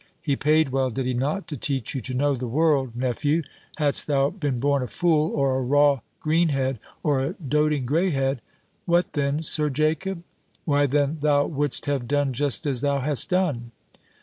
He paid well, did he not, to teach you to know the world, nephew! hadst thou been born a fool, or a raw greenhead, or a doating greyhead " "What then, Sir Jacob?" "Why then thou wouldst have done just as thou hast done!"